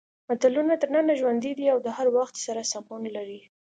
متلونه تر ننه ژوندي دي او د هر وخت سره سمون لري